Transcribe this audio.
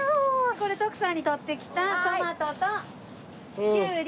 これ徳さんにとってきたトマトとキュウリ。